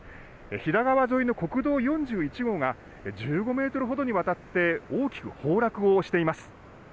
飛騨川沿いの国道４１号が、１５メートルほどにわたって大きく崩落をしています。